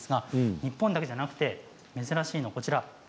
日本だけではなく珍しいものはこちら